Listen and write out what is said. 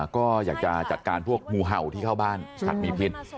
ก็อยากจะจัดการพวกงูเห่าที่เข้าบ้านสัตว์มีพิษ